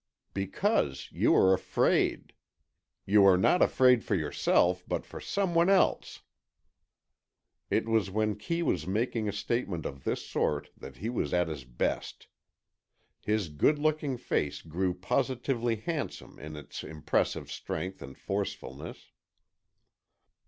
"Because you are afraid. You are not afraid for yourself but for some one else." It was when Kee was making a statement of this sort that he was at his best. His good looking face grew positively handsome in its impressive strength and forcefulness.